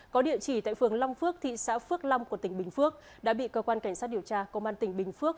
có địa chỉ tại phường long phước thị xã phước long của tỉnh bình phước đã bị cơ quan cảnh sát điều tra công an tỉnh bình phước